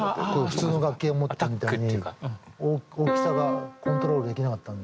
普通の楽器が持ってるみたいに大きさがコントロールできなかったんで。